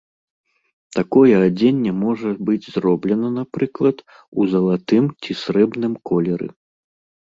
Такое адзенне можа быць зроблена, напрыклад, у залатым ці срэбным колеры.